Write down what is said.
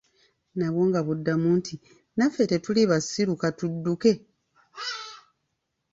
Nabwo nga buddamu nti, naffe tetuli basiru, ka tudduke.